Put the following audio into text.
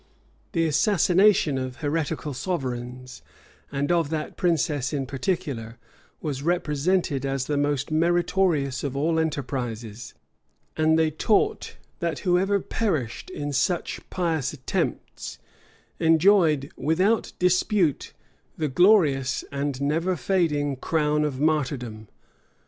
The assassination of heretical sovereigns, and of that princess in particular, was represented as the most meritorious of all enterprises; and they taught, that whoever perished in such pious attempts, enjoyed, without dispute, the glorious and never fading crown of martyrdom.